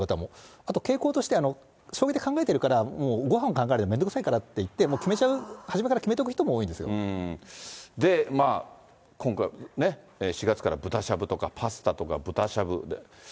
あと傾向として、将棋で考えてるから、もうごはんを考えるのめんどくさいからっていって、決めちゃう、で、まあ、今回ね、４月から豚しゃぶとかパスタとか、豚しゃぶ。